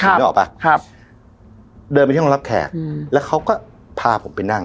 นึกออกป่ะครับเดินไปที่ห้องรับแขกอืมแล้วเขาก็พาผมไปนั่ง